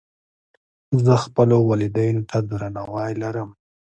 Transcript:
زه خپلو والدینو ته درناوی لرم.